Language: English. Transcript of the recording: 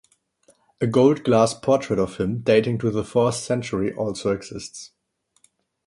A gold glass portrait of him dating to the Fourth Century also exists.